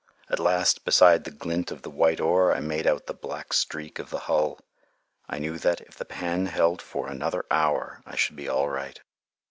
At last, beside the glint of the white oar, I made out the black streak of the hull. I knew that, if the pan held on for another hour, I should be all right.